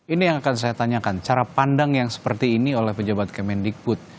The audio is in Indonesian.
ini yang akan saya tanyakan cara pandang yang seperti ini oleh pejabat kemendikbud